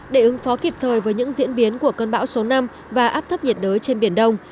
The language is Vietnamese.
để ứng phó kịp thời với những diễn biến của cơn bão số năm và áp thấp nhiệt đới trên biển đông